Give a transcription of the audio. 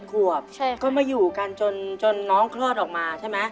ขวบก็มาอยู่กันจนน้องคลอดออกมาใช่ไหม